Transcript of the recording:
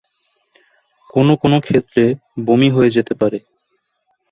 কোনো কোনো ক্ষেত্রে বমি হয়ে যেতে পারে।